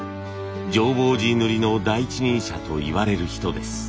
浄法寺塗の第一人者といわれる人です。